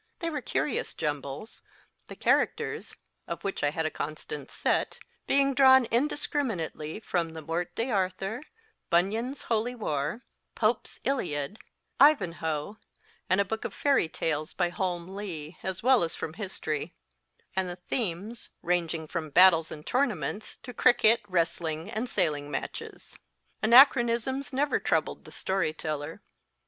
They were curious jumbles ; the characters (of which I had a constant set) being drawn indiscriminately from the * Morte d Arthur, Bunyan s Holy War, Pope s Iliad/ 1 Ivanhoe, and a book of Fairy Tales by Holme Lee, as well as from history ; and the themes ranging from battles and tournaments to cricket, wrestling, and sailing matches. Ana chronisms never troubled the story teller.